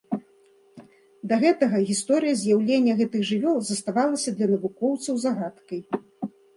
Да гэтага гісторыя з'яўлення гэтых жывёл заставалася для навукоўцаў загадкай.